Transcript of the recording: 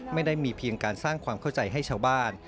ไม่ได้มีเพียงการสร้างความเข้าใจให้ชาวบ้าน